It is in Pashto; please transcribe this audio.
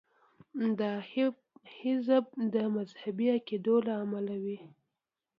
دا حذف د مذهبي عقایدو له امله وي.